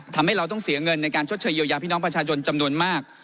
ทำให้เราต้องเสียเงินในการชดเชยเยียวยาพี่น้องประชาชนจำนวนมาก